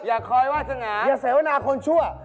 อย่าคอยวาสนาอย่าเสวนาคนชั่ว